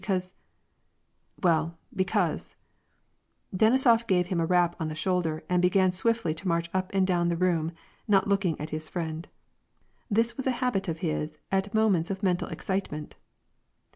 Because — well, because "— Denisof gave him a rap on the shoulder and began swiftly to march up and down the room, not looking at his friend. This was a habit of his at moments of mental excitement.